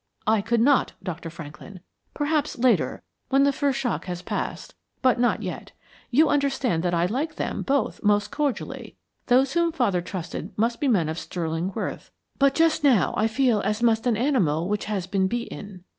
"I could not, Dr. Franklin. Perhaps later, when the first shock has passed, but not yet. You understand that I like them both most cordially. Those whom father trusted must be men of sterling worth, but just now I feel as must an animal which has been beaten.